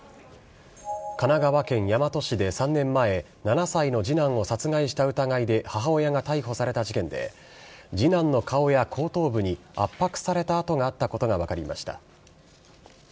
神奈川県大和市で３年前、７歳の次男を殺害した疑いで母親が逮捕された事件で次男の顔や後頭部に圧迫された痕があったことが分かりました。